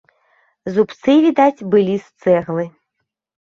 Зубцы, відаць, былі з цэглы.